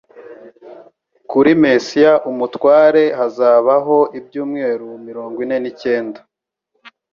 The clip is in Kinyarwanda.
kuri Mesiya umutware hazabaho ibyumweru mirongo ine nicyenda,